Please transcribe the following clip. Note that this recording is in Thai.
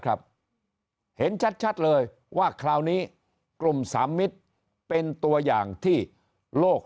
ครับเห็นชัดเลยว่าคราวนี้กลุ่มสามมิตรเป็นตัวอย่างที่โลก